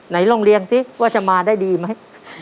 ลองเรียงสิว่าจะมาได้ดีไหม